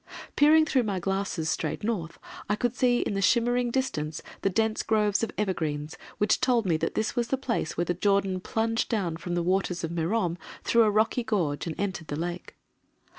Peering through my glasses straight north, I could see in the shimmering distance the dense groves of evergreens which told me that this was the place where the Jordan plunged down from "the waters of Merom" through a rocky gorge, and entered the Lake.